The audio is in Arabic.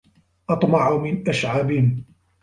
أطمع من أشعب